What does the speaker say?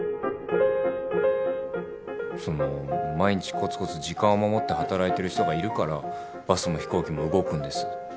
その毎日コツコツ時間を守って働いてる人がいるからバスも飛行機も動くんです。